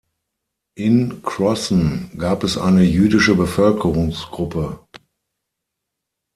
In Crossen gab es eine jüdische Bevölkerungsgruppe.